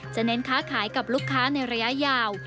เน้นค้าขายกับลูกค้าในระยะยาว